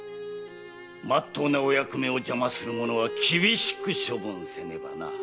真っ当なお役目を邪魔する者は厳しく処分せねばな。